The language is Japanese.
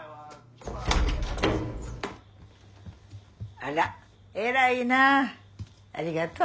あら偉いなあありがとう。